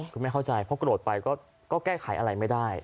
คือไม่เข้าใจเพราะโกรธไปก็แก้ไขอะไรไม่ได้